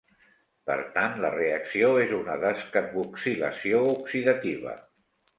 Per tant, la reacció és una descarboxilació oxidativa.